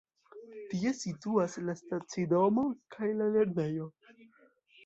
Tie situas la stacidomo kaj la lernejo.